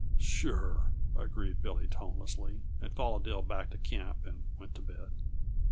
"Sure," agreed Billy tonelessly, and followed Dill back to camp and went to bed.